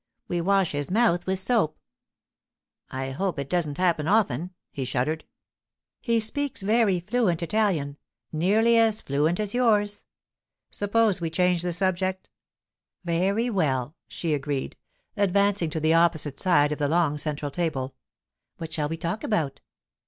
'We wash his mouth with soap.' 'I hope it doesn't happen often,' he shuddered. 'He speaks very fluent Italian—nearly as fluent as yours.' 'Suppose we change the subject.' 'Very well,' she agreed, advancing to the opposite side of the long central table. 'What shall we talk about?